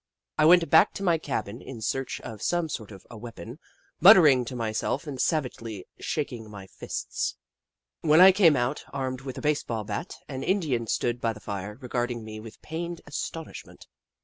I went back to my cabin in search of some sort of a weapon, muttering to myself and sav agely shaking my fists. When I came out, armed with a base ball bat, an Indian stood by the fire, regarding me with pained as tonishment.